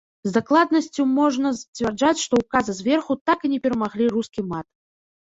З дакладнасцю можна сцвярджаць, што ўказы зверху так і не перамаглі рускі мат.